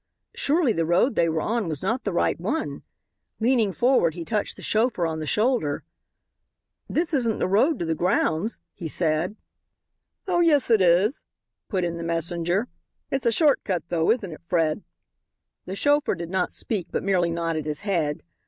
Surely the road they were on was not the right one. Leaning forward he touched the chauffeur on the shoulder. "This isn't the road to the grounds," he said. "Oh, yes it is," put in the messenger; "it's a short cut, though. Isn't it, Fred?" The chauffeur did not speak but merely nodded his head.